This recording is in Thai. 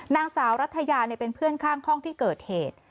นางสาวรัฐยาเป็นเพื่อนข้างห้องที่เกิดเหตุ